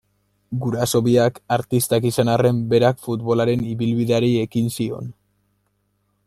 Guraso biak artistak izan arren, berak futbolaren ibilbideari ekin zion.